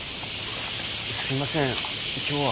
すみません今日は。